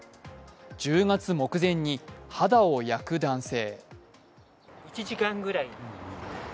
１０月目前に肌を焼く男性。